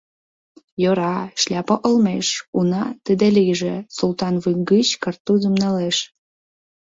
Йӧра, шляпа олмеш, уна, тиде лийже, — Султан вуй гыч картузым налеш.